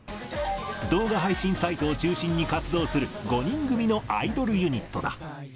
動画配信サイトを中心に活動する５人組のアイドルユニットだ。